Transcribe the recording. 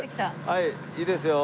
はいいいですよ。